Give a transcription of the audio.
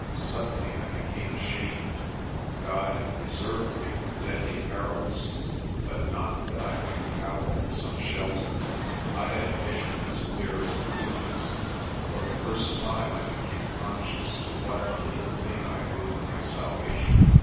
Suddenly I became ashamed. God had preserved me from deadly perils, but not that I might cower in some shel ter. I had a mission as clear as Laputa's. For the first time I became conscious to what a little thing I owed my salva tion.